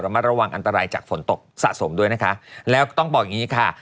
มาระวังอันตรายจากฝนตกสะสมด้วยนะคะแล้วก็ต้องบอกอย่างงี้ค่ะ